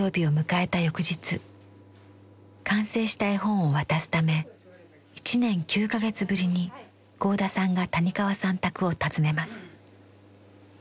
翌日完成した絵本を渡すため１年９か月ぶりに合田さんが谷川さん宅を訪ねます。